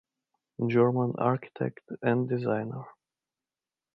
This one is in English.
German architect and designer.